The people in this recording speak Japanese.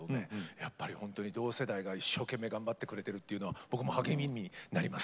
やっぱりほんとに同世代が一生懸命頑張ってくれてるというのは僕も励みになります。